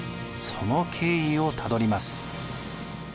その経緯をたどります。